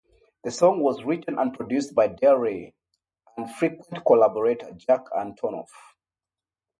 The song was written and produced by Del Rey and frequent collaborator Jack Antonoff.